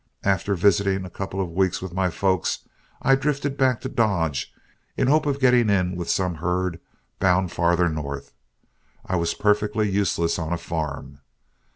After visiting a couple of weeks with my folks, I drifted back to Dodge in the hope of getting in with some herd bound farther north I was perfectly useless on a farm.